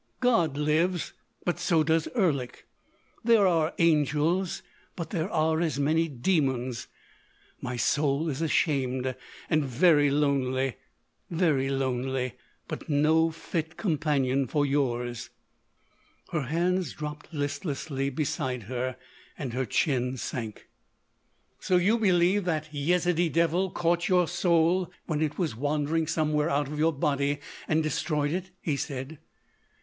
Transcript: God lives. But so does Erlik. There are angels; but there are as many demons.... My soul is ashamed.... And very lonely ... very lonely ... but no fit companion—for yours——" Her hands dropped listlessly beside her and her chin sank. "So you believe that Yezidee devil caught your soul when it was wandering somewhere out of your body, and destroyed it," he said.